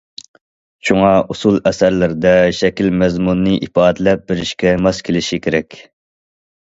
شۇڭا ئۇسسۇل ئەسەرلىرىدە شەكىل مەزمۇننى ئىپادىلەپ بېرىشكە ماس كېلىشى كېرەك.